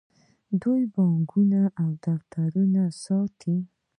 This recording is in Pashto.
دوی بانکونه او دفترونه ساتي.